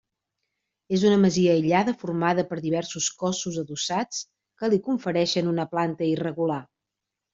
És una masia aïllada formada per diversos cossos adossats, que li confereixen una planta irregular.